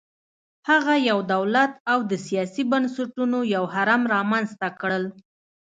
هغه یو دولت او د سیاسي بنسټونو یو هرم رامنځته کړل